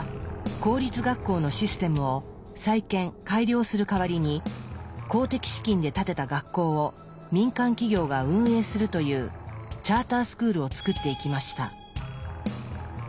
公立学校のシステムを再建改良する代わりに公的資金で建てた学校を民間企業が運営するというチャータースクールを作っていきました。